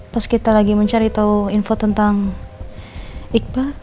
pas kita lagi mencari tahu info tentang iqbal